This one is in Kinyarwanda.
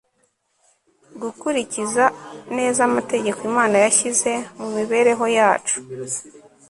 gukurikiza neza amategeko imana yashyize mu mibereho yacu